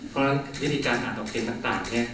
เพราะวิธีการอ่านออกเสียงต่าง